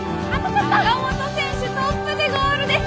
坂本選手トップでゴールです！